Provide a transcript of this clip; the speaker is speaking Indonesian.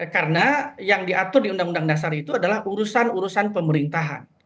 karena yang diatur di undang undang dasar itu adalah urusan urusan pemerintahan